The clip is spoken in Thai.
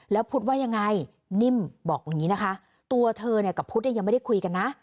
แล้วพูดว่ายังไงนิมบอกอย่างนี้นะคะตัวเธอกับพูดยังไม่ได้คุยกันนะ